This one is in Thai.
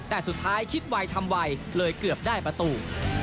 แต่สุดท้ายคิดไวทำไวเลยเกือบได้ประตู